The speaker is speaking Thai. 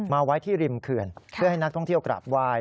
มาไว้ที่ริมเขื่อนเพื่อให้นักท่องเที่ยวกราบไหว้